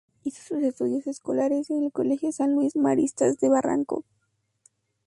Hizo sus estudios escolares en el Colegio San Luis Maristas de Barranco.